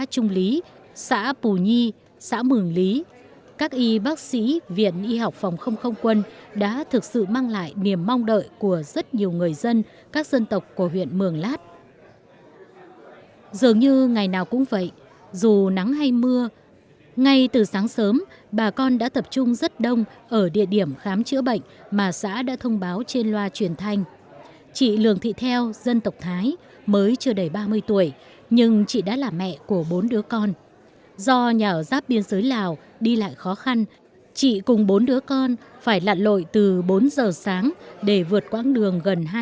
chủ cán bộ y bác sĩ viện y học phòng không không quân đã vượt núi băng ngàn ngược dòng sông mã về khám sức khỏe và cấp thuốc điều trị cho đồng bào các dân tộc của huyện mường lát